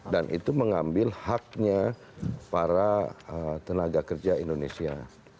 dan itu mengambil haknya para tenaga kerja indonesia